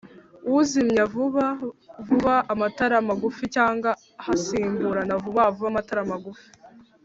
uzimya vuba vuba amatara magufi cyangwa hasimburana vuba vuba amatara magufi